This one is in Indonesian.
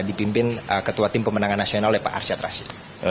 dipimpin ketua tim pemenangan nasional oleh pak arsyad rashid